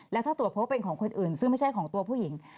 แล้วถ้าตรวจพบว่าเป็นของคนอื่นซึ่งไม่ใช่ของตัวผู้หญิง